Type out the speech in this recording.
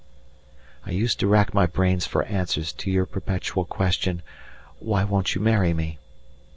I used to rack my brains for answers to your perpetual question, "Why won't you marry me?"